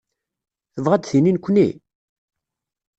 Tebɣa ad d-tini nekkni?